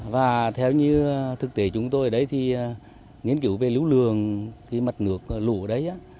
và theo như thực tế chúng tôi ở đấy thì nghiên cứu về lưu lường cái mặt nước lũ đấy